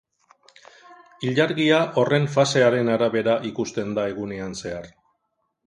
Ilargia horren fasearen arabera ikusten da egunean zehar.